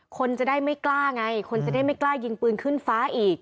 คนจะได้ไม่กล้าไงคนจะได้ไม่กล้ายิงปืนขึ้นฟ้าอีก